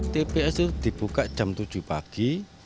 tps itu dibuka jam tujuh pagi